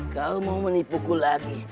kau mau menipuku lagi